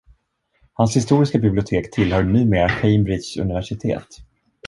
Hans historiska bibliotek tillhör numera Cambridges universitet.